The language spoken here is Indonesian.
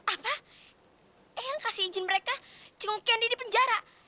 apa yang kasih izin mereka jenguk candy di penjara